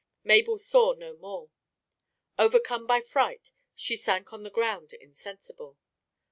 Mabel saw no more. Overcome by fright, she sank on the ground insensible.